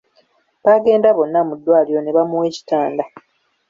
Baagenda bonna mu ddwaliro ne bamuwa ekitanda.